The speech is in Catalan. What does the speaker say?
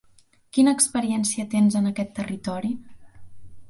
Quina experiència tens en aquest territori?